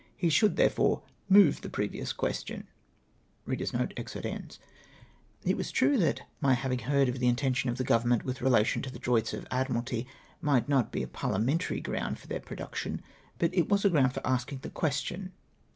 He should, therefore, move the previous question." It was true that my having heard of the intention of the Government with relation to the Droits of Admi ralty might not be a parhamentary ground for their pro duction, but it was a ground for asking the question.